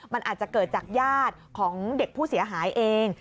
มันอาจจะเกิดจากญาติของเด็กผู้เสียหายเอง